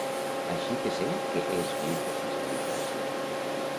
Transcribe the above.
Així que sé què és viure sense democràcia.